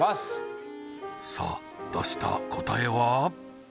ＡＡさあ出した答えは？